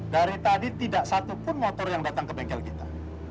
dari tadi tidak satupun motor yang datang ke bengkel kita